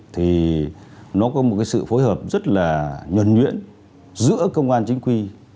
thì nó có một cái sự phối hợp rất là nhuẩn nhuyễn giữa công an chính quy